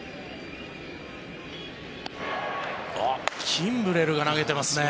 キンブレルが投げてますね。